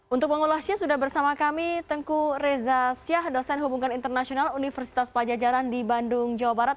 untuk pengulasnya sudah bersama kami tengku reza syah dosen hubungan internasional universitas pajajaran di bandung jawa barat